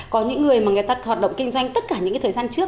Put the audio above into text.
có những người mà người ta hoạt động kinh doanh tất cả những thời gian trước